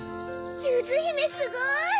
ゆずひめすごい！